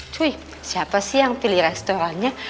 twih siapa sih yang pilih restorannya